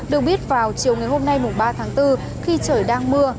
được biết vào chiều ngày hôm nay ba tháng bốn khi trời đang mưa